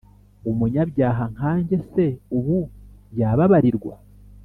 umunyabyaha nkanjye se ubu yababarirwa,